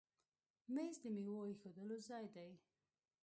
مېز د میوو ایښودلو ځای دی.